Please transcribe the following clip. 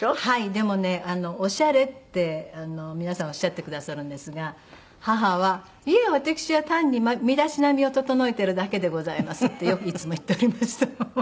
でもね「オシャレ」って皆さんおっしゃってくださるんですが母は「いえ私は単に身だしなみを整えているだけでございます」ってよくいつも言っておりました。